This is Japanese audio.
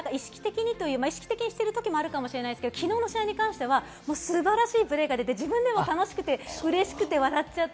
意識的にしてるときもあるかもしれませんが昨日に関しては素晴らしいプレーが出て、自分でも楽しくてうれしくて笑っちゃった。